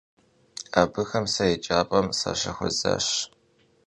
Абыхэм сэ еджапӏэм сащыхуэзащ.